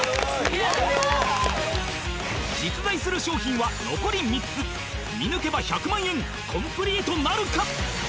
実在する商品は残り３つ見抜けば１００万円コンプリートなるか？